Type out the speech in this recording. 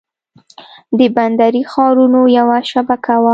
د بندري ښارونو یوه شبکه وه.